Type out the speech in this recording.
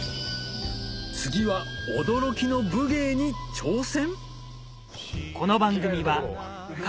次は驚きの武芸に挑戦？